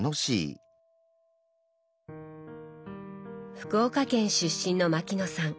福岡県出身の牧野さん。